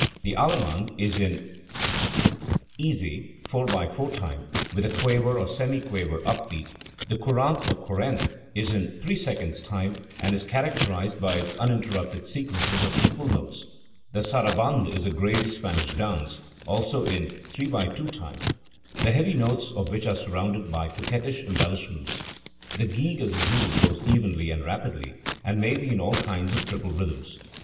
The alleniande is in easy 4 /4 time, with a quaver or semiquaver up beat; the courante or corrente is in 3 /2 time, and is characterised by its uninterrupted sequences of equal notes; the sara bande is a grave Spanish dance, also in 3 / 2 time, the heavy notes of which are surrounded by coquettish embellish ments ; the gigue as a rule goes evenly and rapidly, and may be in all kinds of triple rhythms.